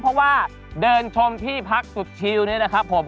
เพราะว่าเดินชมที่พักสุดชิลนี่นะครับผม